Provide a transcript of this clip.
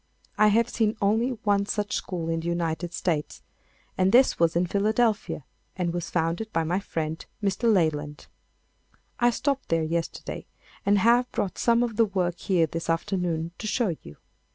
I have seen only one such school in the United States, and this was in Philadelphia and was founded by my friend Mr. Leyland. I stopped there yesterday and have brought some of the work here this afternoon to show you.